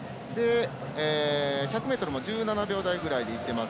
１００ｍも１７秒台ぐらいでいってます。